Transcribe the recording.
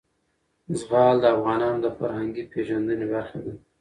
زغال د افغانانو د فرهنګي پیژندنې برخه ده.